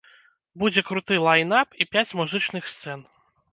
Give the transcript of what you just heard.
Будзе круты лайн-ап і пяць музычных сцэн.